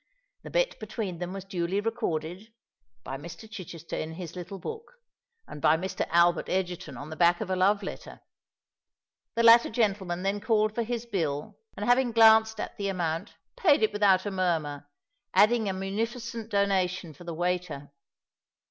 The bet between them was duly recorded—by Mr. Chichester in his little book, and by Mr. Albert Egerton on the back of a love letter. The latter gentleman then called for his bill, and having glanced at the amount, paid it without a murmur, adding a munificent donation for the waiter.